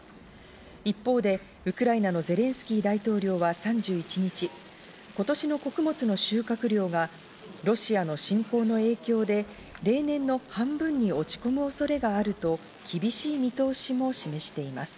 一方でウクライナのゼレンスキー大統領は３１日、今年の穀物の収穫量がロシアの侵攻の影響で例年の半分に落ち込む恐れがあると厳しい見通しも示しています。